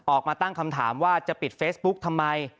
ออกมาตั้งคำถามว่าจะปิดเฟซบุ๊กทำไม